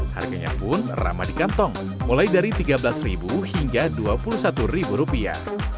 harganya pun ramah di kantong mulai dari tiga belas hingga dua puluh satu rupiah